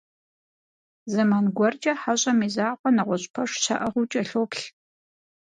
Зэман гуэркӏэ «хьэщӏэм» и закъуэ нэгъуэщӏ пэш щаӏыгъыу кӏэлъоплъ.